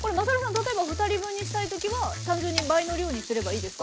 例えば２人分にしたい時は単純に倍の量にすればいいですか？